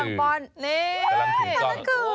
นี่พวกเรากำลังถึงก้อน